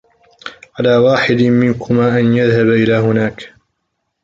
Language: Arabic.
على واحد منكما أن يذهب إلى هناك.